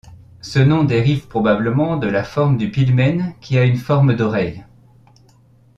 Ce nom dérive probablement de la forme du pilmen, qui a une forme d'oreille.